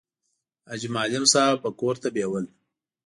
حاجي معلم صاحب به کور ته بېول.